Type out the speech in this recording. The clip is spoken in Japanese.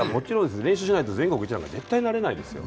練習しないと全国一なんて絶対なれないですよ。